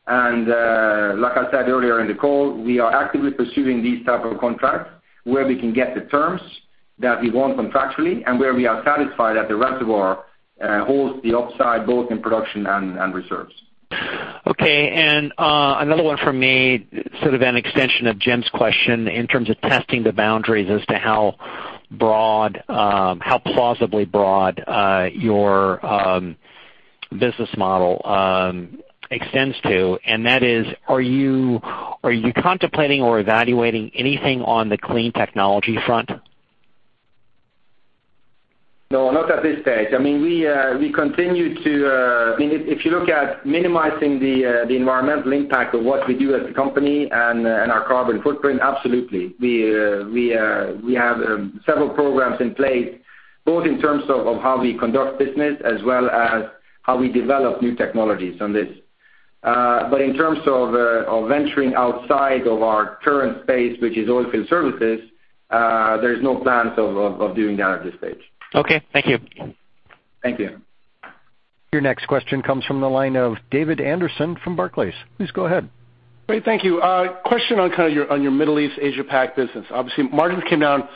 Like I said earlier in the call, we are actively pursuing these type of contracts where we can get the terms that we want contractually and where we are satisfied that the reservoir holds the upside, both in production and reserves. Okay. Another one from me, sort of an extension of Jim's question in terms of testing the boundaries as to how plausibly broad your business model extends to. That is, are you contemplating or evaluating anything on the clean technology front? No, not at this stage. If you look at minimizing the environmental impact of what we do as a company and our carbon footprint, absolutely. We have several programs in place, both in terms of how we conduct business as well as how we develop new technologies on this. In terms of venturing outside of our current space, which is oilfield services, there's no plans of doing that at this stage. Okay, thank you. Thank you. Your next question comes from the line of David Anderson from Barclays. Please go ahead. Great. Thank you. Question on kind of your Middle East Asia Pac business. Obviously, margins came down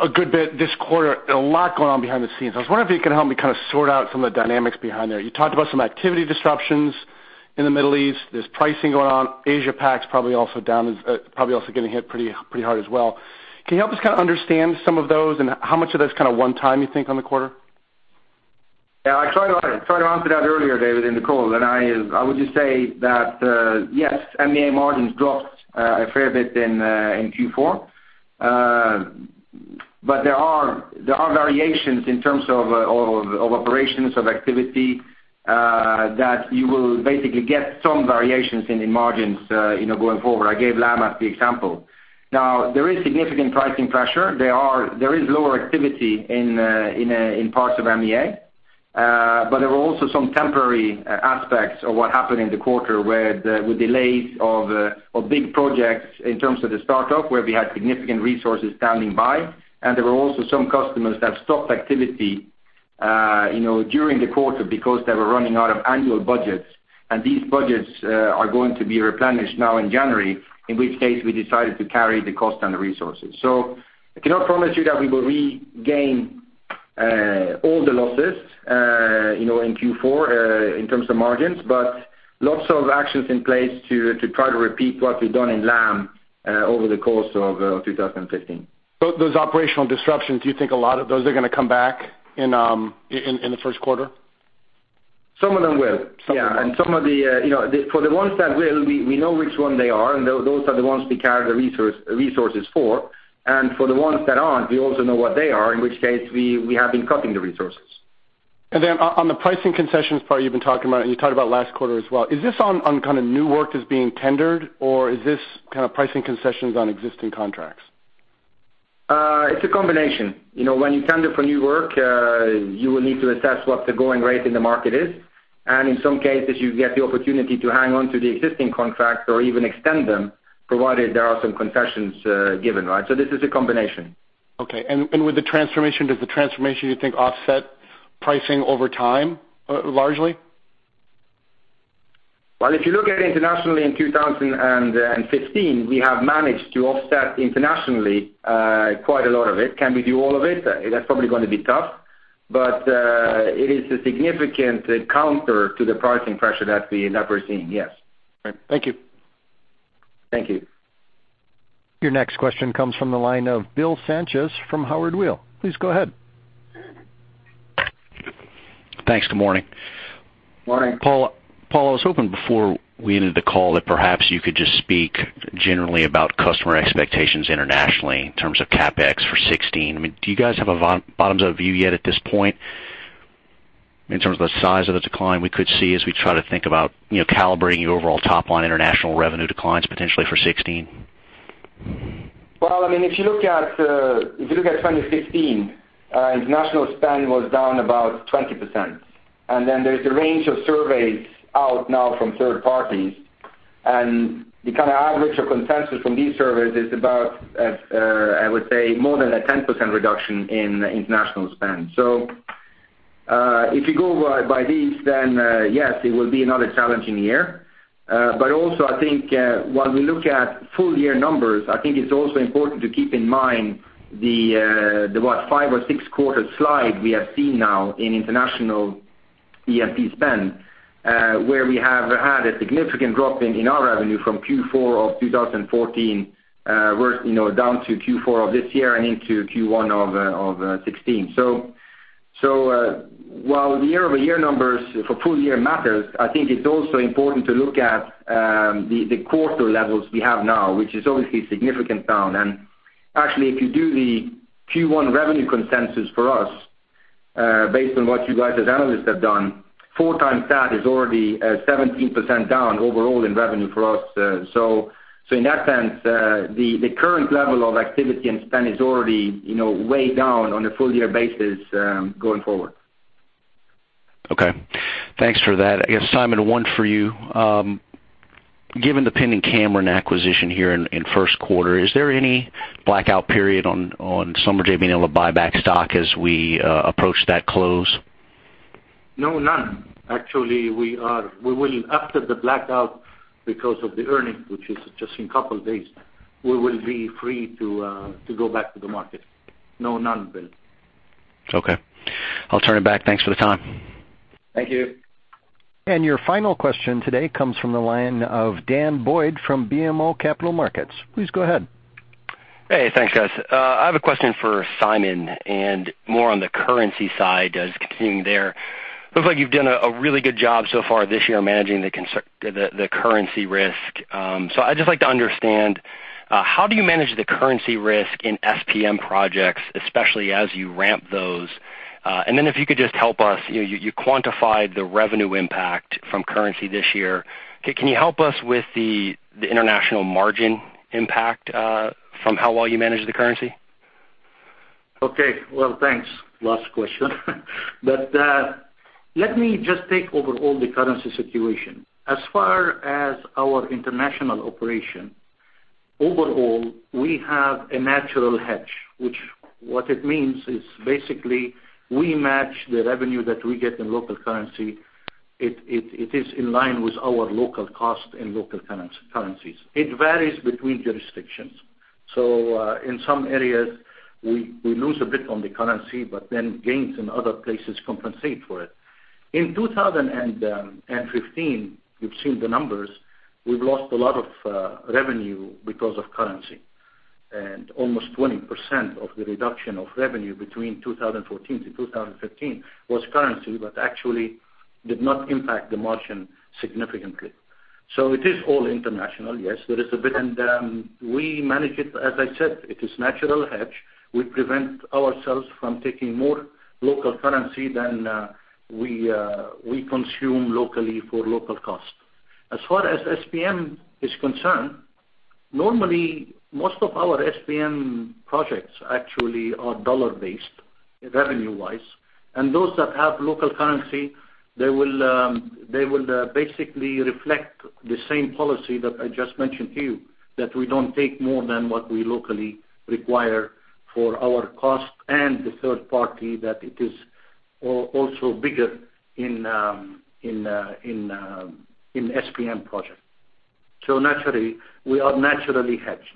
a good bit this quarter. A lot going on behind the scenes. I was wondering if you could help me kind of sort out some of the dynamics behind there. You talked about some activity disruptions in the Middle East. There is pricing going on. Asia Pac's probably also getting hit pretty hard as well. Can you help us kind of understand some of those and how much of that's kind of one-time you think on the quarter? I tried to answer that earlier, David, in the call, and I would just say that, yes, MEA margins dropped a fair bit in Q4. There are variations in terms of operations, of activity, that you will basically get some variations in the margins going forward. I gave LAM as the example. There is significant pricing pressure. There is lower activity in parts of MEA. There were also some temporary aspects of what happened in the quarter with delays of big projects in terms of the startup, where we had significant resources standing by. There were also some customers that stopped activity during the quarter because they were running out of annual budgets. These budgets are going to be replenished now in January, in which case we decided to carry the cost and the resources. I cannot promise you that we will regain all the losses in Q4 in terms of margins, but lots of actions in place to try to repeat what we've done in Lam over the course of 2015. Those operational disruptions, do you think a lot of those are going to come back in the first quarter? Some of them will. Some of them. Yeah. For the ones that will, we know which one they are, and those are the ones we carry the resources for. For the ones that aren't, we also know what they are, in which case we have been cutting the resources. On the pricing concessions part you've been talking about, and you talked about last quarter as well, is this on kind of new work that's being tendered, or is this kind of pricing concessions on existing contracts? It's a combination. When you tender for new work, you will need to assess what the going rate in the market is. In some cases, you get the opportunity to hang on to the existing contracts or even extend them, provided there are some concessions given, right? This is a combination. Okay. With the transformation, does the transformation you think offset pricing over time, largely? Well, if you look at it internationally in 2015, we have managed to offset internationally quite a lot of it. Can we do all of it? That's probably going to be tough. It is a significant counter to the pricing pressure that we're seeing, yes. Right. Thank you. Thank you. Your next question comes from the line of Bill Sanchez from Howard Weil. Please go ahead. Thanks. Good morning. Morning. Paal, I was hoping before we ended the call that perhaps you could just speak generally about customer expectations internationally in terms of CapEx for 2016. I mean, do you guys have a bottoms-up view yet at this point in terms of the size of the decline we could see as we try to think about calibrating your overall top-line international revenue declines potentially for 2016? If you look at 2015, international spend was down about 20%. There's a range of surveys out now from third parties, the average or consensus from these surveys is about, I would say, more than a 10% reduction in international spend. If you go by these, then yes, it will be another challenging year. I think while we look at full-year numbers, I think it's also important to keep in mind the 5 or 6-quarter slide we have seen now in international E&P spend, where we have had a significant drop in our revenue from Q4 of 2014 down to Q4 of this year and into Q1 of 2016. While the year-over-year numbers for full year matters, I think it's also important to look at the quarter levels we have now, which is obviously significant down. Actually, if you do the Q1 revenue consensus for us, based on what you guys as analysts have done, four times that is already 17% down overall in revenue for us. In that sense, the current level of activity and spend is already way down on a full-year basis going forward. Okay. Thanks for that. I guess, Simon, one for you. Given the pending Cameron acquisition here in first quarter, is there any blackout period on Schlumberger being able to buy back stock as we approach that close? No, none. Actually, after the blackout, because of the earnings, which is just in a couple of days, we will be free to go back to the market. No, none, Bill. Okay. I'll turn it back. Thanks for the time. Thank you. Your final question today comes from the line of Daniel Boyd from BMO Capital Markets. Please go ahead. Hey, thanks, guys. I have a question for Simon and more on the currency side, just continuing there. Looks like you've done a really good job so far this year managing the currency risk. I'd just like to understand, how do you manage the currency risk in SPM projects, especially as you ramp those? Then if you could just help us, you quantified the revenue impact from currency this year. Can you help us with the international margin impact from how well you manage the currency? Okay. Well, thanks. Last question. Let me just take overall the currency situation. As far as our international operation, overall, we have a natural hedge, which what it means is basically we match the revenue that we get in local currency. It is in line with our local cost and local currencies. It varies between jurisdictions. In some areas, we lose a bit on the currency, but then gains in other places compensate for it. In 2015, you've seen the numbers, we've lost a lot of revenue because of currency. Almost 20% of the reduction of revenue between 2014 to 2015 was currency, but actually did not impact the margin significantly. It is all international, yes. We manage it, as I said, it is natural hedge. We prevent ourselves from taking more local currency than we consume locally for local cost. As far as SPM is concerned, normally, most of our SPM projects actually are dollar-based, revenue-wise. Those that have local currency, they will basically reflect the same policy that I just mentioned to you, that we don't take more than what we locally require for our cost and the third party that it is also bigger in SPM project. Naturally, we are naturally hedged.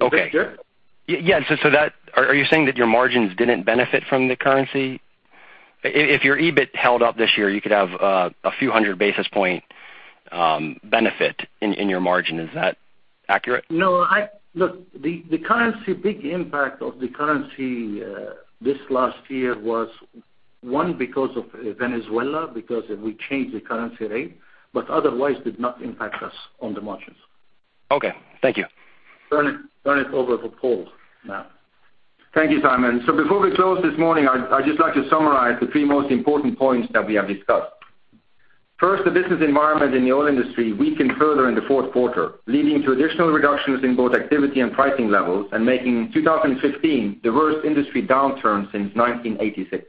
Okay. Is that clear? Yeah. Are you saying that your margins didn't benefit from the currency? If your EBIT held up this year, you could have a few hundred basis point benefit in your margin. Is that accurate? No. Look, the big impact of the currency this last year was one, because of Venezuela, because we changed the currency rate, but otherwise did not impact us on the margins. Okay. Thank you. Turn it over for Paal now. Thank you, Simon. Before we close this morning, I'd just like to summarize the three most important points that we have discussed. First, the business environment in the oil industry weakened further in the fourth quarter, leading to additional reductions in both activity and pricing levels, and making 2015 the worst industry downturn since 1986.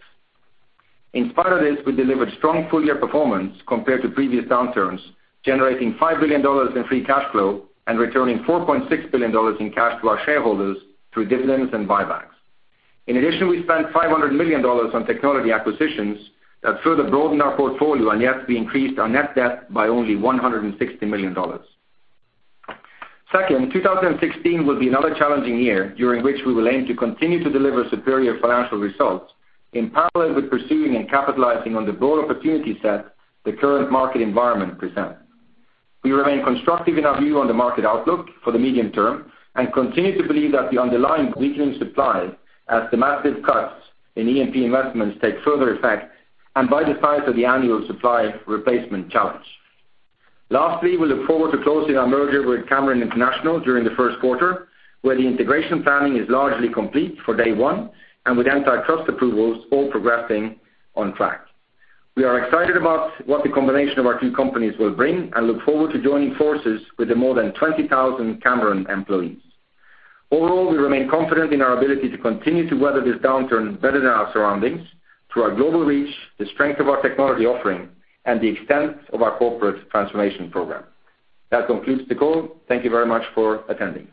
In spite of this, we delivered strong full-year performance compared to previous downturns, generating $5 billion in free cash flow and returning $4.6 billion in cash to our shareholders through dividends and buybacks. In addition, we spent $500 million on technology acquisitions that further broadened our portfolio, and yet we increased our net debt by only $160 million. Second, 2016 will be another challenging year during which we will aim to continue to deliver superior financial results in parallel with pursuing and capitalizing on the broad opportunity set the current market environment presents. We remain constructive in our view on the market outlook for the medium term and continue to believe that the underlying weakening supply as the massive cuts in E&P investments take further effect and by the size of the annual supply replacement challenge. Lastly, we look forward to closing our merger with Cameron International during the first quarter, where the integration planning is largely complete for day one and with antitrust approvals all progressing on track. We are excited about what the combination of our two companies will bring and look forward to joining forces with the more than 20,000 Cameron employees. Overall, we remain confident in our ability to continue to weather this downturn better than our surroundings through our global reach, the strength of our technology offering, and the extent of our corporate transformation program. That concludes the call. Thank you very much for attending.